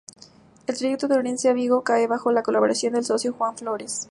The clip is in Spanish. El trayecto de Orense a Vigo cae bajo la colaboración del socio Juan Florez.